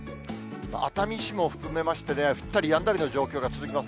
熱海市も含めましてね、降ったりやんだりの状況が続きます。